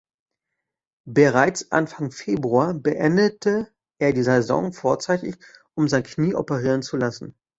Bereits Anfang Februar beendete er die Saison vorzeitig um sein Knie operieren zu lassen.